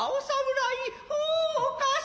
おおおかし。